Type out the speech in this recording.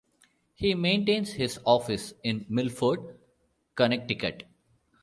He maintains his office in Milford, Connecticut.